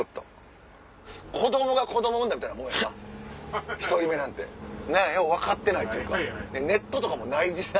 子供が子供産んだみたいなもんやな１人目なんて。よう分かってないというかネットとかもない時代。